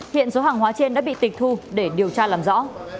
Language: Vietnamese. hiện số hàng hóa trên đã bị tịch thu để điều tra làm rõ